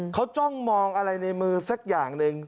เขาจ้องมองอะไรในมือสักอย่างหนึ่ง